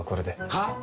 はっ⁉